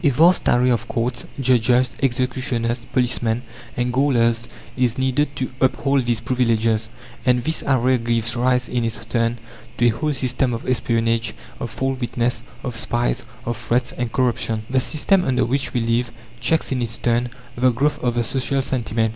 A vast array of courts, judges, executioners, policemen, and gaolers is needed to uphold these privileges; and this array gives rise in its turn to a whole system of espionage, of false witness, of spies, of threats and corruption. The system under which we live checks in its turn the growth of the social sentiment.